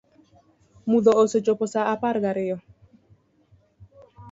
Mudho osechopo saa apar ga riyo